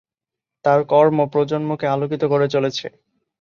তাঁর কর্ম প্রজন্মকে আলোকিত করে চলেছে।